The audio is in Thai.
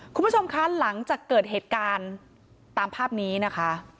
คุณผู้ชมคะหลังจากเกิดเหตุการณ์ตามภาพนี้นะคะ